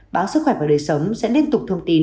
báo sức khỏe và đời sống sẽ liên tục thông tin